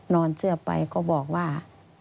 นอนเสื้อไปก็บอกว่า